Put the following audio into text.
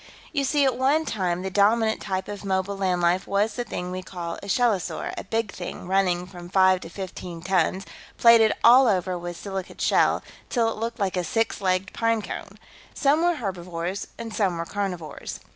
"You see, at one time, the dominant type of mobile land life was the thing we call a shellosaur, a big thing, running from five to fifteen tons, plated all over with silicate shell, till it looked like a six legged pine cone. Some were herbivores and some were carnivores.